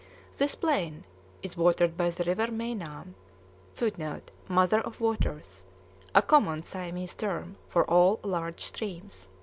This plain is watered by the river Meinam, [Footnote: "Mother of Waters," a common Siamese term for all large streams.